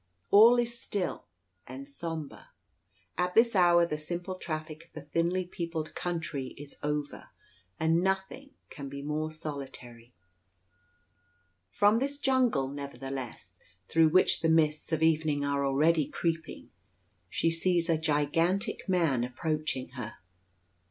All is still and sombre. At this hour the simple traffic of the thinly peopled country is over, and nothing can be more solitary. From this jungle, nevertheless, through which the mists of evening are already creeping, she sees a gigantic man approaching her.